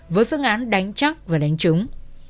với phương án đánh chắc và đánh trúng